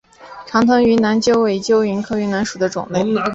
长臀云南鳅为鳅科云南鳅属的鱼类。